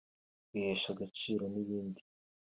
kwihesha agaciro n’ibindi